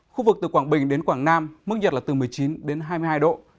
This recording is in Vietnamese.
khu vực từ quảng bình đến quảng nam mức nhiệt là từ một mươi chín đến hai mươi hai độ